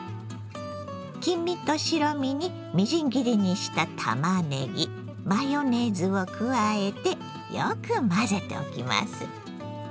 黄身と白身にみじん切りにしたたまねぎマヨネーズを加えてよく混ぜておきます。